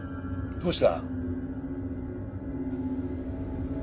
どうした？